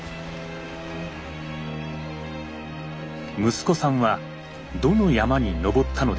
「息子さんはどの山に登ったのですか？」。